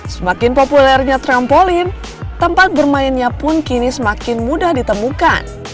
semakin populernya trampolin tempat bermainnya pun kini semakin mudah ditemukan